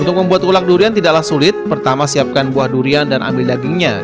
untuk membuat ulak durian tidaklah sulit pertama siapkan buah durian dan ambil dagingnya